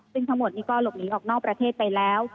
ซึ่งทั้งหมดนี้ก็หลบหนีออกนอกประเทศไปแล้ว